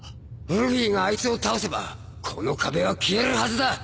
ルフィがあいつを倒せばこの壁は消えるはずだ。